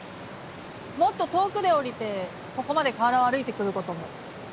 もっと遠くで下りてここまで河原を歩いてくることも。